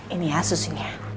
ini ya susunya